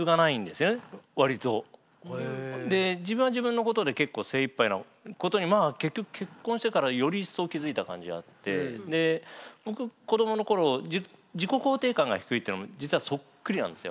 自分は自分のことで結構精いっぱいなことにまあ結局結婚してからより一層気付いた感じがあってで僕子どもの頃自己肯定感が低いってのも実はそっくりなんですよ。